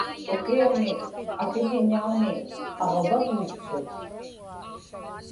ukiami akiḷiñaami aġvagniqsut